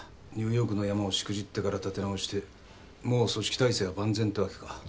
ニューヨークのヤマをしくじってから立て直してもう組織体制は万全ってわけか。